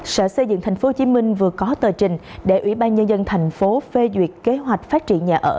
sở xây dựng tp hcm vừa có tờ trình để ủy ban nhân dân thành phố phê duyệt kế hoạch phát triển nhà ở